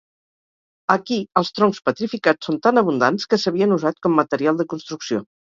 Aquí els troncs petrificats són tan abundants que s'havien usat com material de construcció.